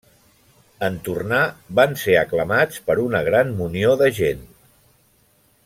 En tornar, van ser aclamats per una gran munió de gent.